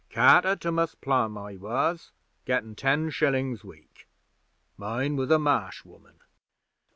Carter to Mus' Plum I was, gettin' ten shillin's week. Mine was a Marsh woman.'